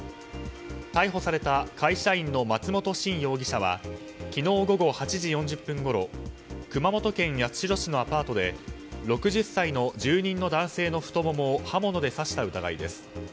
逮捕された会社員の松本心容疑者は昨日午後８時４０分ごろ熊本県八代市のアパートで６０歳の住人の男性の太ももを刃物で刺した疑いです。